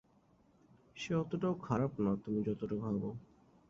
সে অতটাও খারাপ না তুমি যতটা ভাবো।